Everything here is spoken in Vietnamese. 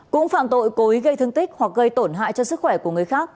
cũng phạm tội cố ý gây thương tích hoặc gây tổn hại cho sức khỏe của người khác